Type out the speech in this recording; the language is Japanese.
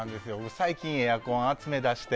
最近、エアコンを集め出して。